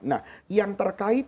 nah yang terkait